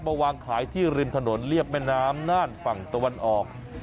วางขายที่ริมถนนเรียบแม่น้ำน่านฝั่งตะวันออก